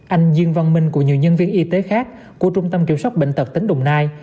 anh diên văn minh cùng nhiều nhân viên y tế khác của trung tâm kiểm soát bệnh tật tỉnh đồng nai